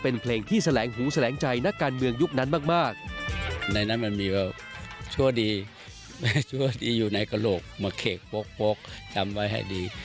ในนั้นมันมีว่าชั่วดีอยู่ในกระโยคมะเขกปกจำไว้ให้ดี